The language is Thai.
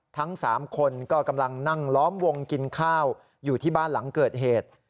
ทั้ง๓คนก็กำลังนั่งล้อมวงกินข้าวอยู่ที่บ้านหลังเกิดเหตุ